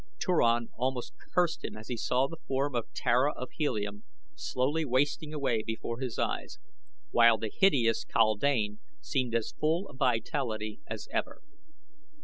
Turan almost cursed him as he saw the form of Tara of Helium slowly wasting away before his eyes, while the hideous kaldane seemed as full of vitality as ever.